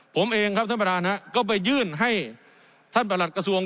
ผมเองครับท่านประธานก็ไปยื่นให้ท่านประหลัดกระทรวง